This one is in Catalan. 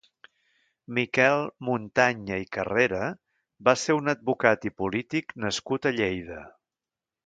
Miquel Montaña i Carrera va ser un advocat i polític nascut a Lleida.